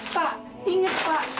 pak inget pak